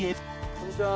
こんにちは。